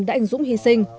đã ảnh dũng hy sinh